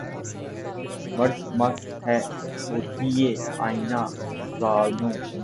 مردمک ہے طوطئِ آئینۂ زانو مجھے